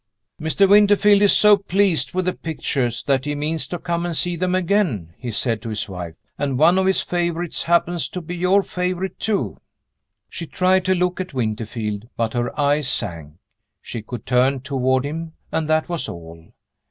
"Mr. Winterfield is so pleased with the pictures, that he means to come and see them again," he said to his wife. "And one of his favorites happens to be your favorite, too." She tried to look at Winterfield, but her eyes sank. She could turn toward him, and that was all.